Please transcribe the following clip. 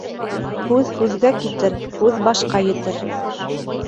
Һүҙ һүҙгә китер, һүҙ башҡа етер.